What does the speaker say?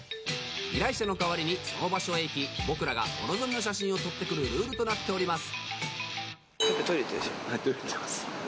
依頼者の代わりにその場所へ行き僕らがお望みの写真を撮ってくるルールとなっています。